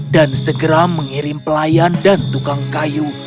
segera mengirim pelayan dan tukang kayu